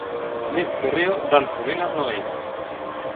Neste terreo danse ben as nogueiras.